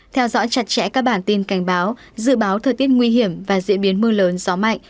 theo dõi chặt chẽ các bản tin cảnh báo dự báo thời tiết nguy hiểm và diễn biến mưa lớn gió mạnh